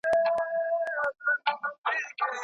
څېړونکی به سبا خپل نوي راټول سوي مواد تنظیم کړي.